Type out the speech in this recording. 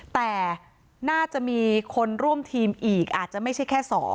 แต่น่าจะมีคนร่วมทีมอีกอาจจะไม่ใช่แค่๒